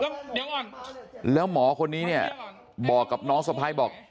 เดี๋ยวก่อนแล้วหมอคนนี้เนี่ยบอกกับน้องสะพ้ายบอก